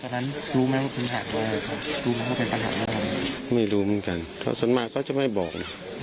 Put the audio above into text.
ดูไม่ว่าเป็นปัญหาไม่รู้เหมือนกันส่วนมากก็จะไม่บอก